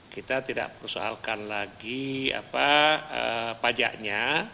kita tidak persoalkan lagi pajaknya